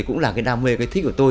cũng là cái đam mê cái thích của tôi